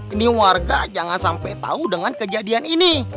ini warga jangan sampai tahu dengan kejadian ini